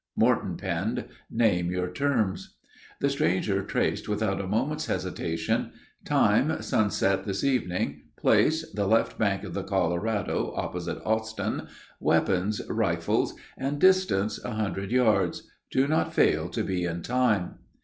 Morton penned: "Name your terms." The stranger traced, without a moment's hesitation: "Time, sunset this evening; place, the left bank of the Colorado, opposite Austin; weapons, rifles; and distance, a hundred yards. Do not fail to be in time!"